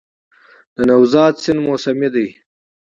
د نوزاد سیند موسمي دی